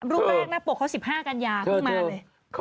รูปแรกหน้าปกเขา๑๕กันยาเพิ่งมาเลย